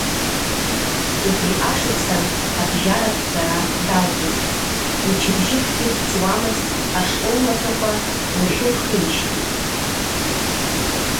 Убри ашықәсан абжьаратә ҵара далгеит, мчыбжьыкгьы ҵуамызт ашкол маҭәақәа лшәылхижьҭеи.